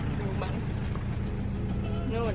กินข้าวขอบคุณครับ